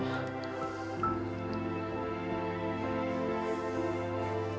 sokong sengaja sekalipun